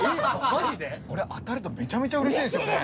これ当たるとめちゃめちゃうれしいですよね。